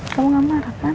kamu gak marah kan